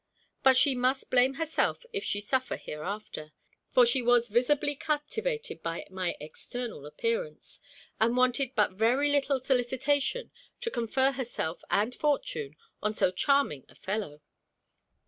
But she must blame herself if she suffer hereafter; for she was visibly captivated by my external appearance, and wanted but very little solicitation to confer herself and fortune on so charming a fellow.